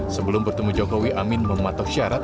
sebelum bertemu jokowi amin mematok syarat